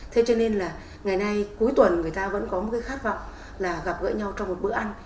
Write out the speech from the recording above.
thế cho nên là ngày nay cuối tuần người ta vẫn có một cái khát vọng là gặp gỡ nhau trong một bữa ăn